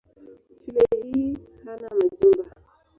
Shule hii hana majumba.